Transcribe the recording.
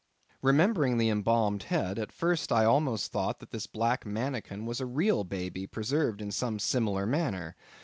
Remembering the embalmed head, at first I almost thought that this black manikin was a real baby preserved in some similar manner.